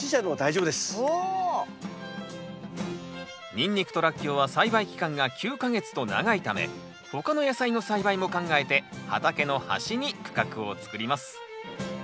ニンニクとラッキョウは栽培期間が９か月と長いため他の野菜の栽培も考えて畑の端に区画を作ります。